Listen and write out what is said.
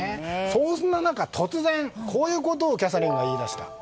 そんな中、突然こういうことをキャサリンが言い出した。